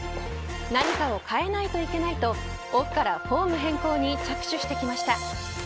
何かを変えないといけないとオフからフォーム変更に着手してきました。